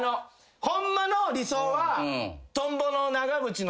ホンマの理想は。